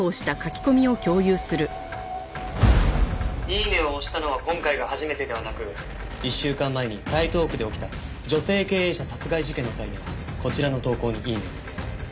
イイネ！を押したのは今回が初めてではなく１週間前に台東区で起きた女性経営者殺害事件の際にはこちらの投稿にイイネ！を。